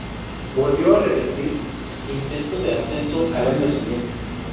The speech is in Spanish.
Volvió a repetir intento de ascenso al año siguiente.